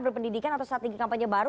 berpendidikan atau strategi kampanye baru